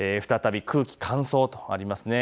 再び空気乾燥とあります。